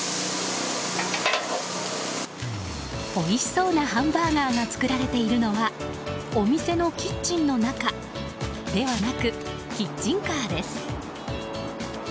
おいしそうなハンバーガーが作られているのはお店のキッチンの中ではなくキッチンカーです。